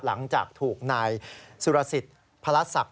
หลังจากถูกนายสุรสิทธิ์พระศักดิ